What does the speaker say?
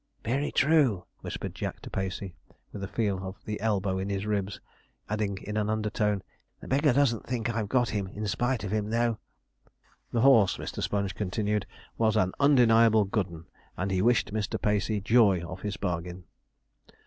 'Very true,' whispered Jack to Pacey, with a feel of the elbow in his ribs, adding, in an undertone, 'the beggar doesn't think I've got him in spite of him, though.' 'The horse,' Mr. Sponge continued, 'was an undeniable good 'un, and he wished Mr. Pacey joy of his bargain.'